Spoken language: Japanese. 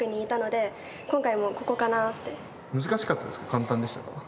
簡単でしたか？